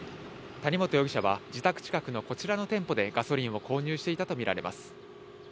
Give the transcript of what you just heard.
谷本容疑者は自宅近くのこちらの店舗でガソリンを購入していたとみられます。